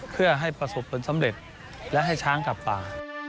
เพื่อให้ประสบผลสำเร็จและให้ช้างกลับป่า